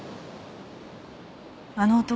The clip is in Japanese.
あの男